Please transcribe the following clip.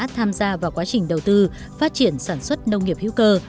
tham gia vào quá trình đầu tư phát triển sản xuất nông nghiệp hữu cơ